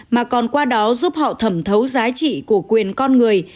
mà còn qua đó giúp họ thẩm thấu giá trị của quyền con người